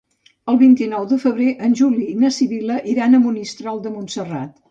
El vint-i-nou de febrer en Juli i na Sibil·la iran a Monistrol de Montserrat.